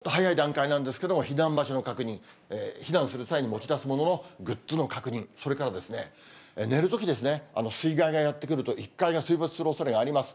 まずは、もっと早い段階なんですけど、避難場所の確認、避難する際に持ち出すもののグッズの確認、それからですね、寝るときですね、水害がやって来ると、１階が水没するおそれがあります。